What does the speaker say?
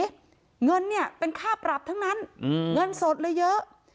เงินเนี่ยเป็นค่าปรับทั้งนั้นเงินสดเลยเยอะ